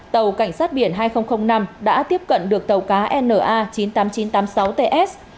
tàu cảnh sát biển hai nghìn năm đã tiếp cận được tàu cá na chín mươi tám nghìn chín trăm tám mươi sáu ts